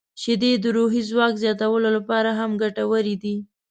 • شیدې د روحي ځواک زیاتولو لپاره هم ګټورې دي.